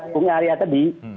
bung arya tadi